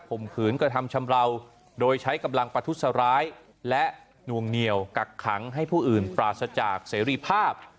มขืนกระทำชำราวโดยใช้กำลังประทุษร้ายและหน่วงเหนียวกักขังให้ผู้อื่นปราศจากเสรีภาพ